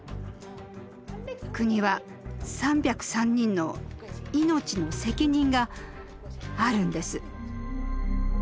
国は３０３人の命の責任があるんです。